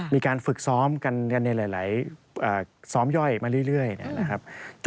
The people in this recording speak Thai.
มีการฝึกซ้อมกันในหลายซ้อมย่อยมาเรื่อยนะครับ